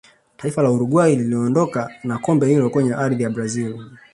taifa la uruguay liliondoka na kombe hilo kwenye ardhi ya brazil